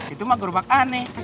itu mah gerobak aneh